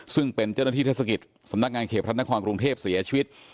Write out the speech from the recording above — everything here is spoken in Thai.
ซึ่งเป็นเจ้าหน้าที่เทศกิจสำนักงานเขตพระนครกรุงเทพเสียชีวิต